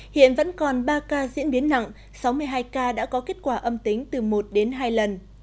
hiện vẫn còn ba ca diễn biến nặng sáu mươi hai ca đã có kết quả âm tính từ một đến hai lần